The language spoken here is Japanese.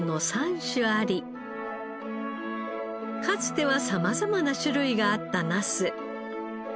かつては様々な種類があったナス。